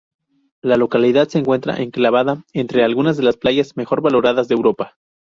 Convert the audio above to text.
La localidad se encuentra enclavada entre algunas de las playas mejor valoradas de Europa.